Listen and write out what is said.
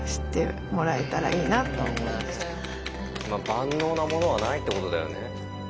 万能なものはないってことだよね。